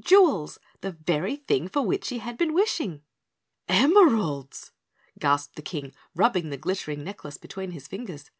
Jewels! The very thing for which he had been wishing. "Emeralds!" gasped the King, rubbing the glittering necklace between his fingers.